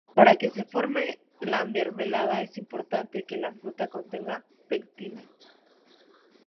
Para que se forme la mermelada es importante que la fruta contenga pectina.